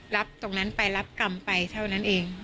รับตรงนั้นไปรับกรรมไปเท่านั้นเอง